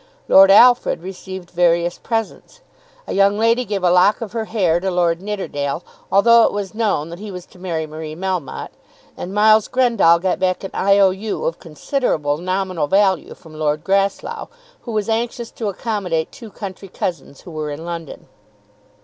Lord Alfred received various presents. A young lady gave a lock of her hair to Lord Nidderdale, although it was known that he was to marry Marie Melmotte. And Miles Grendall got back an I. O. U. of considerable nominal value from Lord Grasslough, who was anxious to accommodate two country cousins who were in London.